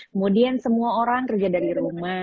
kemudian semua orang kerja dari rumah